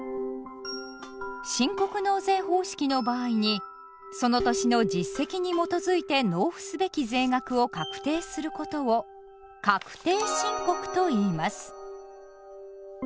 申告納税方式の場合にその年の実績に基づいて納付すべき税額を確定することを「確定申告」といいます。